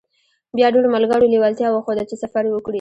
بيا ډېرو ملګرو لېوالتيا وښوده چې سفر وکړي.